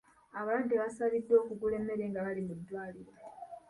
Abalwadde baasabiddwa okugula emmere nga bali mu ddwaliro.